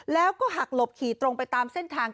แล้วก็หักหลบขี่ตรงไปตามเส้นทาง